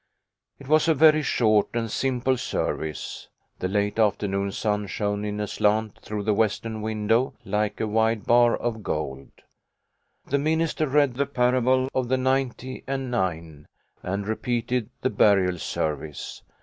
It was a very short and simple service. The late afternoon sun shone in aslant through the western window, like a wide bar of gold. The min ister read the parable of the ninety and nine, and repeated the burial service.